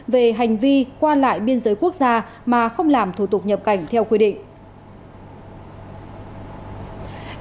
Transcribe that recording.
về hành vi qua lại biên giới quốc gia mà không làm thủ tục nhập cảnh theo quy định